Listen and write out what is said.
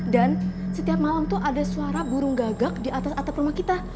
dan setiap malam tuh ada suara burung gagak di atas atap rumah kita